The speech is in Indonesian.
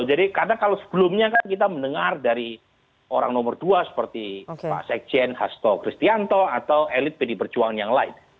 jadi karena kalau sebelumnya kan kita mendengar dari orang nomor dua seperti pak sekjen hasto christianto atau elit pdi perjuangan yang lain